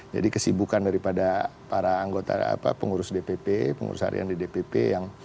jadi kesibukan daripada para anggota pengurus dpp pengurus harian di dpp yang